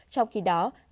trong khi đó